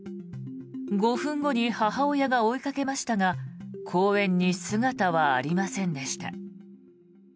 ５分後に母親が追いかけましたが公園に姿はありませんでした。